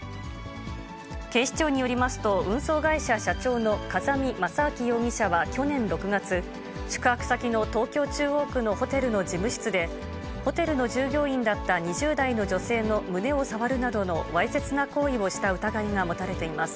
警視庁によりますと、運送会社社長の風見正明容疑者は去年６月、宿泊先の東京・中央区のホテルの事務室で、ホテルの従業員だった２０代の女性の胸を触るなどのわいせつな行為をした疑いが持たれています。